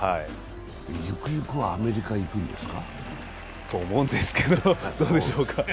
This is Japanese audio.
ゆくゆくはアメリカに行くんですか？と思うんですけどどうでしょうか。